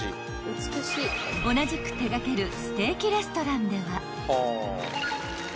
［同じく手掛けるステーキレストランでは］